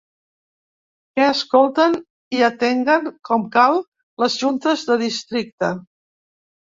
Que escolten i atenguen com cal les juntes de districte.